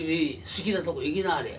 好きなとこ行きなはれ」。